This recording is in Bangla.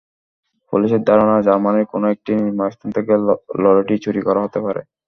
পুলিশের ধারণা, জার্মানির কোনো একটি নির্মাণস্থান থেকে লরিটি চুরি করা হতে পারে।